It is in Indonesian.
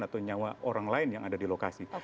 atau nyawa orang lain yang ada di lokasi